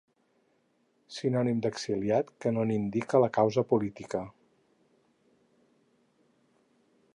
Sinònim d'exiliat que no n'indica la causa política.